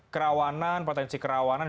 kerawanan potensi kerawanan